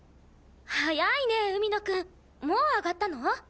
早いね海野くん。もう上がったの？